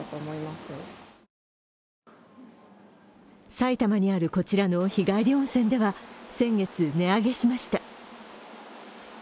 埼玉にあるこちらの日帰り温泉では先月、値上げしました。